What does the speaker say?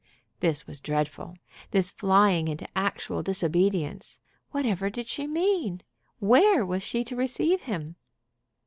This was dreadful this flying into actual disobedience. Whatever did she mean? Where was she to receive him?